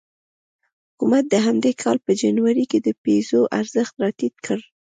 حکومت د همدې کال په جنوري کې د پیزو ارزښت راټیټ کړ.